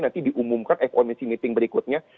nanti diumumkan fomc meeting berikutnya